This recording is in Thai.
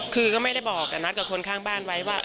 คือก็ไม่ได้บอกแต่นัดกับคนข้างบ้านไว้ว่า